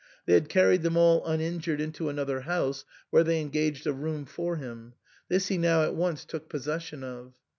They had carried them all uninjured into another house, where they engaged a room for him ; this he now at once took possession of.